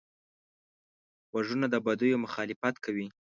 غوږونه د بدیو مخالفت کوي